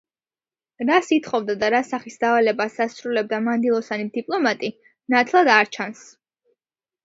რას ითხოვდა და რა სახის დავალებას ასრულებდა მანდილოსანი დიპლომატი, ნათლად არ ჩანს.